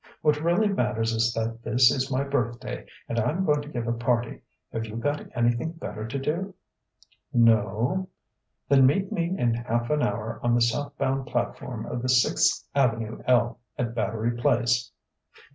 "What really matters is that this is my birthday and I'm going to give a party. Have you got anything better to do?" "No " "Then meet me in half an hour on the southbound platform of the Sixth Avenue L at Battery Place."